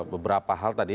beberapa hal tadi